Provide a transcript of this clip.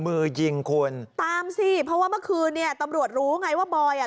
มือยิงคุณตามสิเพราะว่าเมื่อคืนเนี้ยตำรวจรู้ไงว่าบอยอ่ะ